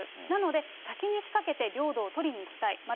なので、先に仕掛けて、領土を取りにいきたい。